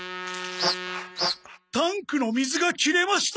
タンクの水が切れました。